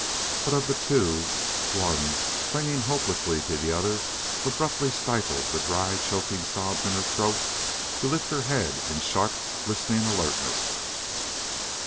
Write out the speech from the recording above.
But, of the two, one, clinging hopelessly to the other, abruptly stifled the dry choking sobs in her throat to lift her head in sharp, listening alertness.